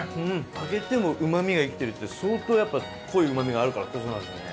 揚げてもうまみが生きてるって相当やっぱ濃いうまみがあるからこそなんですね。